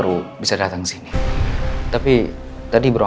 trus dapet sudah bisa ngak